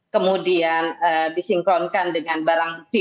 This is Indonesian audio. kemudian disinkronkan dengan barang bukti